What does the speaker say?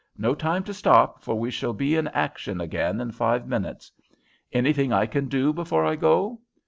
No time to stop, for we shall be in action again in five minutes. Anything I can do before I go?"